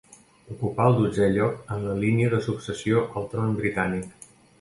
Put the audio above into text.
Ocupa el dotzè lloc en la línia de successió al tron britànic.